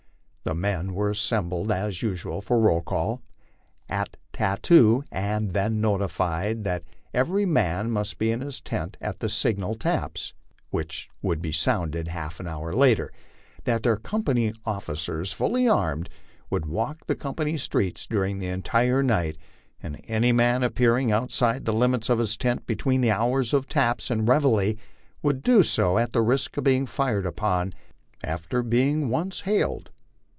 The men were assembled as usual for roll call at tattoo, and then notified that every man must be in his tent at the signal " taps," which would be sounded half an hour later; that their company offi cers, fully armed, would walk the company streets during the entire night, and any man appearing outside the limits of his tent between the hours of " taps " and reveille would do so at the risk of being fired upon after b*ing once hailed.